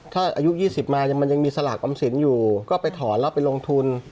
ถ้าอายุ๒๐มามันยังมีสลากออมสินอยู่ก็ไปถอนแล้วไปลงทุน